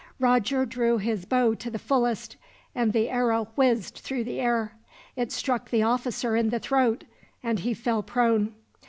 Roger drew his bow to the fullest, and the arrow whizzed through the air. It struck the officer in the throat, and he fell prone.